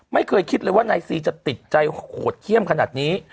ไม่เคยคิดเลยว่านายซีจะติดใจโหดเขี้ยมขนาดนี้